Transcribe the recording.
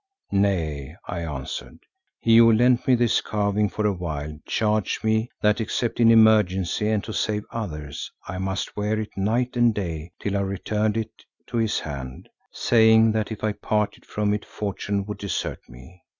"Nay," I answered, "he who lent me this carving for a while, charged me that except in emergency and to save others, I must wear it night and day till I returned it to his hand, saying that if I parted from it fortune would desert me.